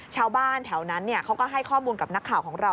ชาวบ้านแถวนั้นเขาก็ให้ข้อมูลกับนักข่าวของเรา